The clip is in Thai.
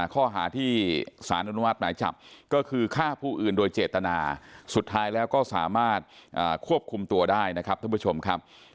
ข้อหาที่สารอนุมัติหมายจับก็คือฆ่าผู้อื่นโดยเจตนาสุดท้ายแล้วก็สามารถควบคุมตัวได้นะครับท่านผู้ชมครับ